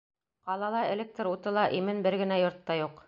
Ҡалала электр уты ла, имен бер генә йорт та юҡ.